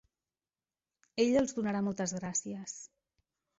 Ella els donarà moltes gràcies.